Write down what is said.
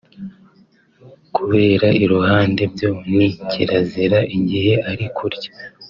Kureba iruhande byo ni kirazira igihe ari kurya